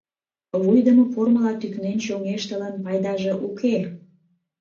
Вуйдымо пормыла тӱкнен чоҥештылын, пайдаже уке.